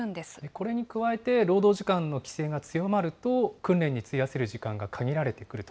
これに加えて労働時間の規制が強まると、訓練に費やせる時間が限られてくると。